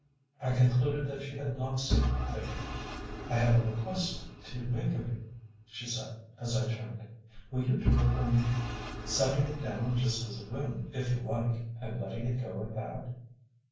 I concluded that she had not seen the figure. "I have a request to make of you," she said, as I turned. "Will you do it for me setting it down just as a whim, if you like, and letting it go at that?"